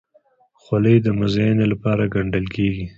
خولۍ د مزینۍ لپاره ګنډل کېږي.